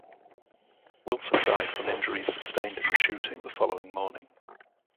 Wilson died from injuries sustained in the shooting the following morning.